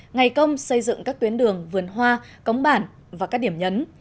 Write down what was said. ngày công xây dựng các tuyến đường vườn hoa cống bản và các điểm nhấn